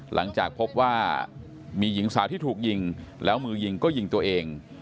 หลังจากพบว่ามีหญิงสาวที่ถูกยิงแล้วมือยิงก็ยิงตัวเอง